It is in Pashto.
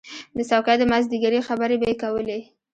د څوکۍ د مازدیګري خبرې به یې کولې.